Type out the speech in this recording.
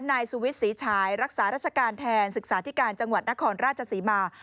นายสุวิทย์ศรีฉายรักษาราชการแทนศึกษาธิการจังหวัดนครราชศรีมา